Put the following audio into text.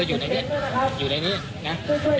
อยู่ในนี้นะ